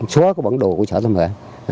xóa bản đồ của chợ tâm hở